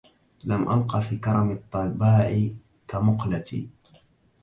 لم ألق في كرم الطباع كمقلتي